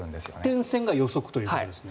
点線が予測ということですね。